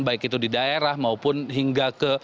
baik itu di daerah maupun hingga ke